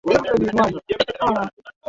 Niguse vizuri nihisi raha